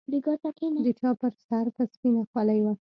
د چا پر سر به سپينه خولۍ وه.